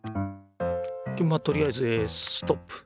でまあとりあえずえストップ。